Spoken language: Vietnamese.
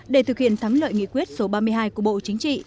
để thực hiện thắng lợi nghị quyết số ba mươi hai của bộ chính trị